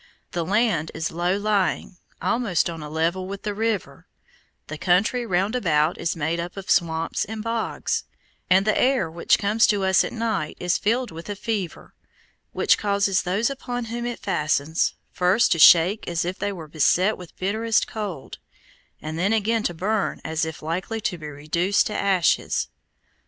The land is low lying, almost on a level with the river; the country roundabout is made up of swamps and bogs, and the air which comes to us at night is filled with a fever, which causes those upon whom it fastens, first to shake as if they were beset with bitterest cold, and then again to burn as if likely to be reduced to ashes.